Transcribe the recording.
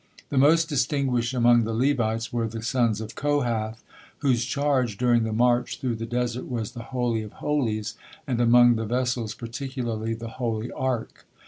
The most distinguished among the Levites were the sons of Kohath, whose charge during the march through the desert was the Holy of Holies, and among the vessels particularly the Holy Ark.